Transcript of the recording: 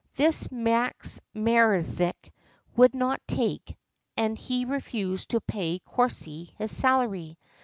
This Max Maretzek would not take, and he refused to pay Corsi his salary.